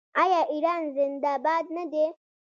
آیا ایران زنده باد نه دی؟